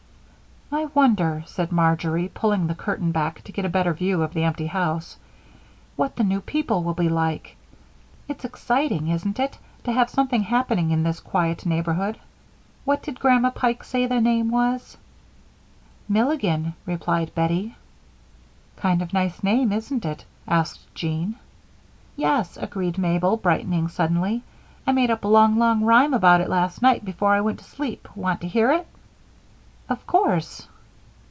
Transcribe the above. "I wonder," said Marjory, pulling the curtain back to get a better view of the empty house, "what the new people will be like. It's exciting, isn't it, to have something happening in this quiet neighborhood? What did Grandma Pike say the name was?" "Milligan," replied Bettie. "Kind of nice name, isn't it?" asked Jean. "Yes," agreed Mabel, brightening suddenly. "I made up a long, long rhyme about it last night before I went to sleep. Want to hear it?" "Of course."